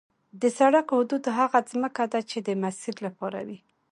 د سړک حدود هغه ځمکه ده چې د مسیر لپاره وي